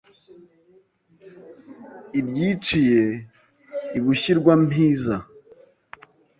Iryiciye i Bushyirwampiza